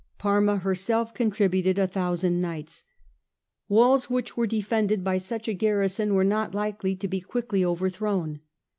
Parma herself contributed a thousand knights. Walls which were defended by such a garrison were not likely to be quickly overthrown.